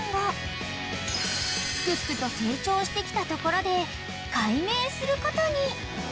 ［すくすくと成長してきたところで改名することに］